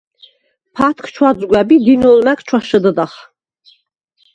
ფათქ ჩვაძგვაბ ი დინოლ მა̈გ ჩვაშჷდდახ.